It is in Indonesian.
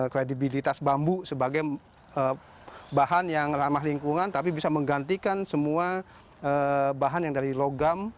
kredibilitas bambu sebagai bahan yang ramah lingkungan tapi bisa menggantikan semua bahan yang dari logam